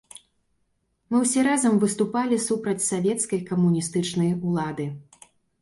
Мы ўсе разам выступалі супраць савецкай камуністычнай улады.